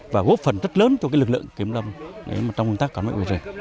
và góp phần rất lớn cho cái lực lượng kiếm lâm trong công tác quán mệnh vệ truyền